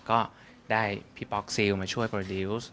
ก็ได้พี่ป๊อกซิลมาช่วยโปรดิวส์